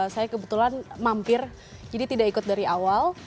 saya kebetulan mampir jadi tidak ikut dari awal